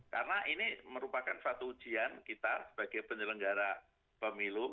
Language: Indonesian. karena ini merupakan suatu ujian kita sebagai penyelenggara pemilu